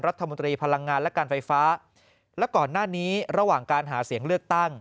พลังงานและการไฟฟ้าและก่อนหน้านี้ระหว่างการหาเสียงเลือกตั้ง